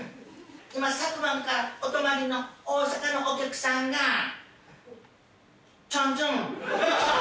昨晩からお泊まりの大阪のお客さんがチョンズン。